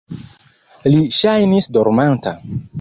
Li ŝajnis dormanta.